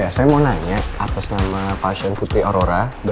dia udah terminumporum